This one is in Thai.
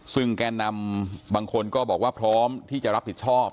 ซึ่งแก่นำบางคนก็บอกว่าพร้อมที่จะรับผิดชอบ